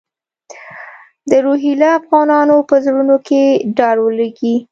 د روهیله افغانانو په زړونو کې ډار ولوېږي.